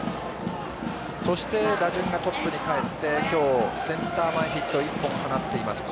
そして打順がトップにかえって今日、センター前ヒット１本放っています